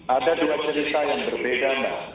ada dua cerita yang berbeda mbak